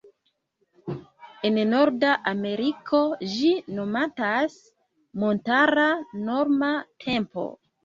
En norda Ameriko ĝi nomatas "Montara Norma Tempo".